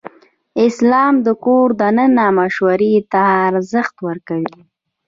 اسلام د کور دننه مشورې ته ارزښت ورکوي.